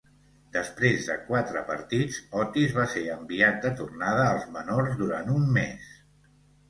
Després de quatre partits, Otis va ser enviat de tornada als menors durant un mes.